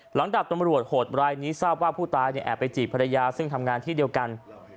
ดาบตำรวจโหดรายนี้ทราบว่าผู้ตายแอบไปจีบภรรยาซึ่งทำงานที่เดียวกัน